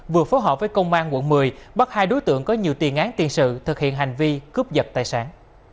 vừa phối hợp với công an quận một mươi bắt hai đối tượng có nhiều tiền án tiền sự thực hiện hành vi cướp giật tài sản